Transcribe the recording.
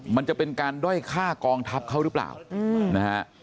มันจะเป็นการด้อยฆ่ากองทัพเขาหรือเปล่านะฮะ